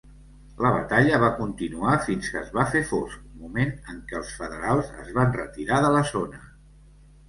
La batalla va continuar fins que es va fer fosc, moment en què els Federals es van retirar de la zona.